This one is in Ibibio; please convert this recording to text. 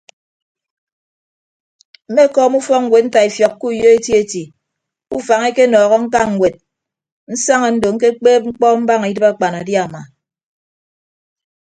Mmekọọm ufọkñwed ntaifiọk ke uyo eti eti ke ufañ ekenọọhọ ñka ñwed nsaña ndo ñkekpeeb mkpọ mbaña idịb akpanadiama.